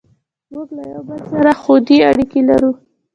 موږ له یو بل سره خوني اړیکې لرو.